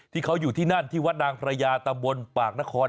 ที่เขาอยู่ที่นั่นที่วัดนางพระยาตำบลปากนคร